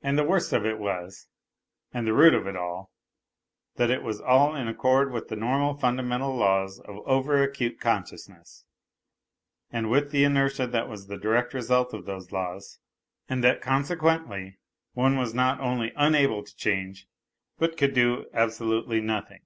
And the worst of it was, and the root of it all, that it was all in accord with the normal fundamental laws of over acute consciousness, and with the inertia that was the direct result of those laws, and that consequently one w r as not only unable to change but could do absolutely nothing.